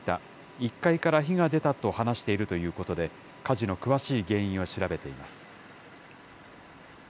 １階から火が出たと話しているということで、火事の詳しい原因を調べています。